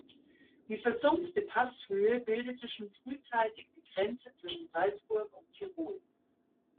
Die versumpfte Passhöhe bildete schon frühzeitig die Grenze zwischen Salzburg und Tirol.